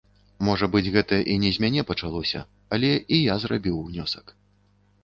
Можа быць, гэта і не з мяне пачалося, але і я зрабіў унёсак.